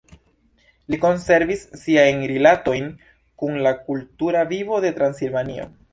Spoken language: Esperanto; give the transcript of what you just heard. Li konservis siajn rilatojn kun la kultura vivo de Transilvanio.